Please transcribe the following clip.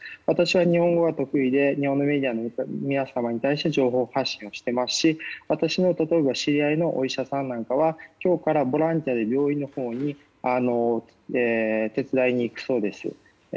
私は日本語が得意で日本のメディアの皆様に対して情報発信をしていますし私のところの知り合いのお医者さんなんかは今日からボランティアで病院に手伝いに行くそうです。